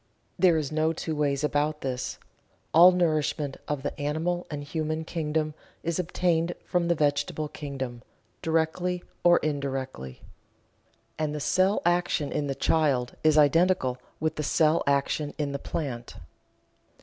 There is no two ways about this all nourishment of the animal and human kingdom is obtained from the vegetable kingdom, directly or indirectly. And the cell action in the child is identical with the cell action in the plant.